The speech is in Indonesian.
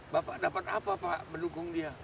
bapak dapat apa pak mendukung dia